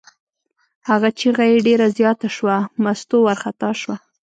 هغه چغه یې ډېره زیاته شوه، مستو وارخطا شوه.